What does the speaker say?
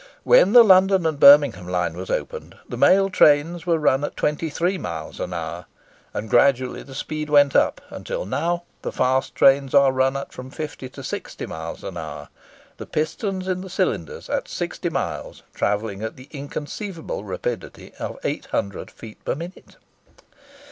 When the London and Birmingham line was opened, the mail trains were run at twenty three miles an hour; and gradually the speed went up, until now the fast trains are run at from fifty to sixty miles an hour,—the pistons in the cylinders, at sixty miles, travelling at the inconceivable rapidity of 800 feet per minute!